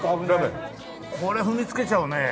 これ踏みつけちゃうね。